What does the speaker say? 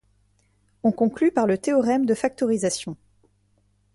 On conclut par le théorème de factorisation.